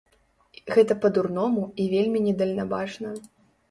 Гэта па-дурному і вельмі недальнабачна.